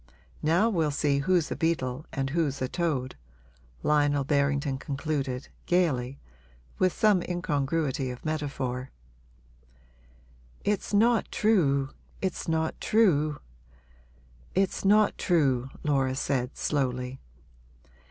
Now we'll see who's a beetle and who's a toad!' Lionel Berrington concluded, gaily, with some incongruity of metaphor. 'It's not true it's not true it's not true,' Laura said, slowly.